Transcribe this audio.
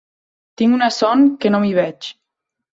Tinc una son que no m'hi veig.